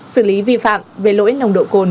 xử lý vi phạm về lỗi nồng độ cồn của lực lượng chức năng